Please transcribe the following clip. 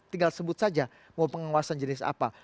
tinggal sebut saja mau pengawasan jenis apa